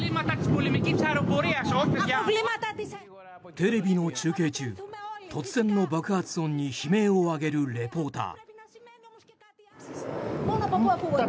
テレビの中継中突然の爆発音に悲鳴を上げるリポーター。